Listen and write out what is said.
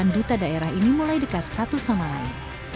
duta daerah ini mulai dekat satu sama lain